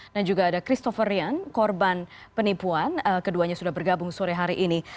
dan juga ada christopher rian korban penipuan keduanya sudah bergabung sore hari ini